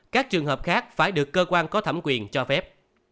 các trường hợp khác phải được cơ quan có thẩm quyền cho phép